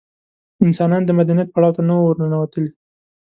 انسانان د مدنیت پړاو ته نه وو ورننوتلي.